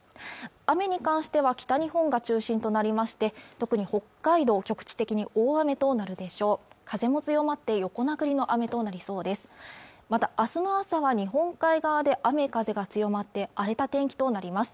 雨に関しては北日本が中心となりまして特に北海道、局地的に大雨となるでしょう風も強まって横殴りの雨となりそうですまた明日の朝は日本海側で雨や風が強まって荒れた天気となります